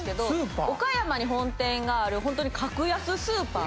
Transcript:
岡山に本店があるほんとに格安スーパー。